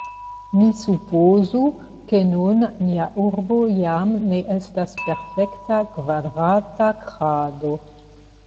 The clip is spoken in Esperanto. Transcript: Ni supozu, ke nun nia urbo jam ne estas perfekta kvadrata krado.